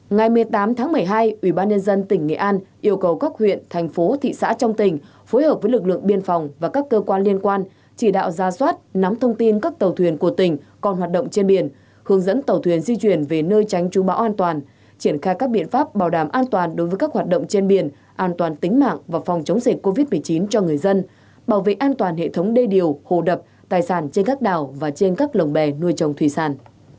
ngày một mươi tám tháng một mươi hai ubnd tỉnh nghệ an yêu cầu các huyện thành phố thị xã trong tỉnh phối hợp với lực lượng biên phòng và các cơ quan liên quan chỉ đạo ra soát nắm thông tin các tàu thuyền của tỉnh còn hoạt động trên biển hướng dẫn tàu thuyền di chuyển về nơi tránh trung bão an toàn triển khai các biện pháp bảo đảm an toàn đối với các hoạt động trên biển an toàn tính mạng và phòng chống dịch covid một mươi chín cho người dân bảo vệ an toàn hệ thống đê điều hồ đập tài sản trên các đảo và trên các lồng bè nuôi trồng thủy sản